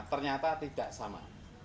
ternyata tidak sama